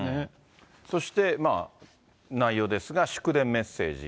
そして、内容ですが、祝電、メッセージ。